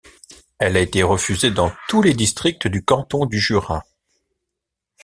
Elle a été refusée dans tous les districts du Canton du Jura.